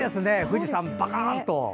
富士山パカンと。